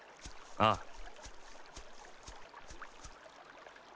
ああ。